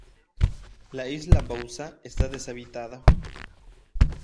La isla Bauzá está deshabitada.